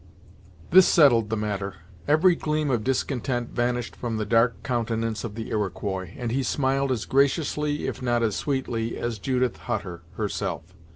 This settled the matter. Every gleam of discontent vanished from the dark countenance of the Iroquois, and he smiled as graciously, if not as sweetly, as Judith Hutter, herself.